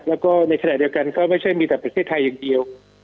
แล้วก็ในขณะเดียวกันก็ไม่ใช่มีแต่ประเทศไทยอย่างเดียว